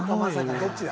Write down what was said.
どっちだ？